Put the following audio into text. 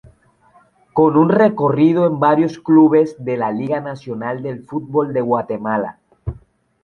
Con un recorrido en varios clubes de la Liga Nacional de Fútbol de Guatemala.